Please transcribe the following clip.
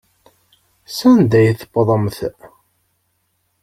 Sanda ay tewwḍemt?